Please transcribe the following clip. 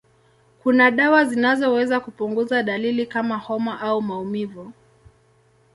Kuna dawa zinazoweza kupunguza dalili kama homa au maumivu.